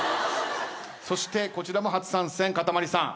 そしてこちらも初参戦かたまりさん。